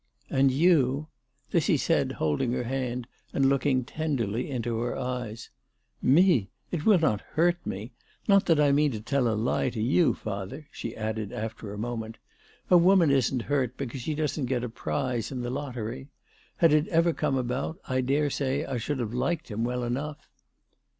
"And you?" This he said, holding her hand and looking tenderly into her eyes. " Me ! It will not hurt me. Not that I mean to tell a lie to you, father," she added after a moment. "A woman isn't hurt because she doesn't get a prize in the lottery. Had it ever come about, I dare say I should have liked him well enough."